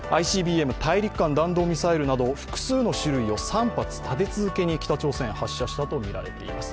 ＩＣＢＭ＝大陸間弾道ミサイルなど複数の種類を３発立て続けに北朝鮮が発射したと見られています。